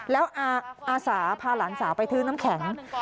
แล้วอาสาพาหลานสาวไปซื้อน้ำแข็ง